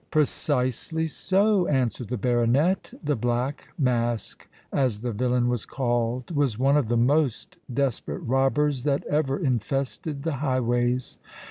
"Precisely so," answered the baronet. "The Black Mask—as the villain was called—was one of the most desperate robbers that ever infested the highways.